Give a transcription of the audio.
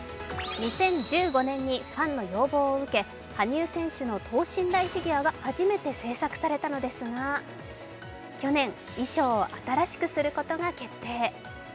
２０１５年にファンの要望を受け、羽生選手の等身大フィギュアが初めて制作されたのですが、去年、衣装を新しくすることが決定